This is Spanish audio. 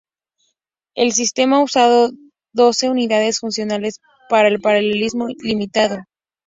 El sistema usaba doce unidades funcionales, pero con paralelismo limitado.